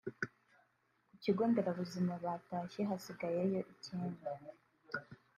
ku kigo nderabuzima batashye hasigayeyo icyenda